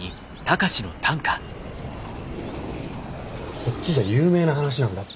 こっちじゃ有名な話なんだって。